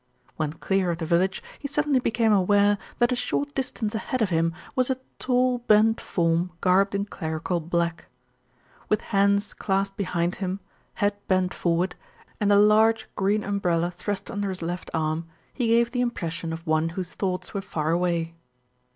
When clear of the village, he suddenly became aware that a short distance ahead of him was a tall, bent form garbed in clerical black. With hands clasped behind him, head bent forward, and a large green umbrella 78 THE RETURN OF ALFRED thrust under his left arm, he gave the impression of one whose thoughts were far away.